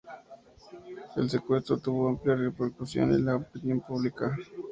El secuestro tuvo amplia repercusión en la opinión pública.